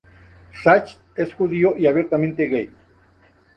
Sachs es judío y abiertamente gay.